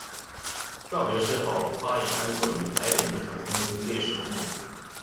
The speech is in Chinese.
告别式后发引安厝于台北碧潭空军烈士公墓。